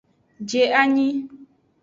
Je anyi.